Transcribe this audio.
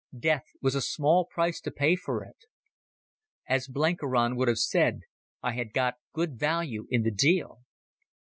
Death was a small price to pay for it. As Blenkiron would have said, I had got good value in the deal.